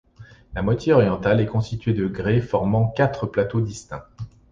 La moitié orientale est constituée de grès formant quatre plateaux distincts.